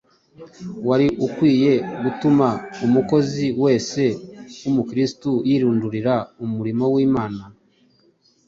wari ukwiye gutuma umukozi wese w’Umukristo yirundurira mu murimo w’Imana